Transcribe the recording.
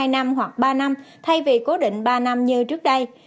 hai năm hoặc ba năm thay vì cố định ba năm như trước đây